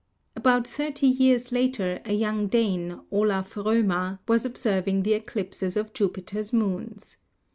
About thirty years later a young Dane, Olaf Romer, was observing the eclipses of Jupiter's moons.